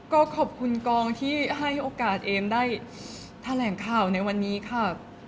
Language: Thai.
ก็ขอบคุณกองที่ให้โอกาสเอมได้แถลงข่าวในวันนี้ค่ะ